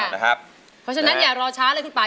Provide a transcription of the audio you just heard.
เพราะฉะนั้นอย่ารอช้าเลยคุณป่า